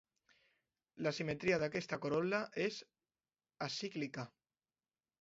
La simetria d'aquesta corol·la és acíclica.